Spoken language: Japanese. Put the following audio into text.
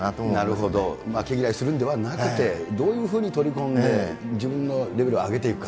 なるほど、毛嫌いするんではなくて、どういうふうに取り込んで、自分のレベルを上げていくか。